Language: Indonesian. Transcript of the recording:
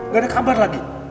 gak ada kabar lagi